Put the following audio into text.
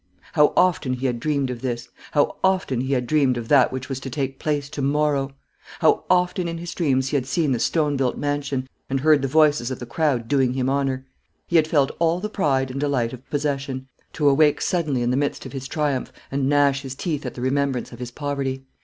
How often he had dreamed of this; how often he had dreamed of that which was to take place to morrow! How often in his dreams he had seen the stone built mansion, and heard the voices of the crowd doing him honour. He had felt all the pride and delight of possession, to awake suddenly in the midst of his triumph, and gnash his teeth at the remembrance of his poverty.